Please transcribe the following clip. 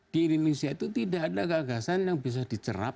di indonesia itu tidak ada gagasan yang bisa dicerap